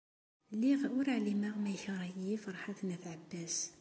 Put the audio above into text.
Lliɣ ur ɛlimeɣ ma ikreh-iyi Ferḥat n At Ɛebbas.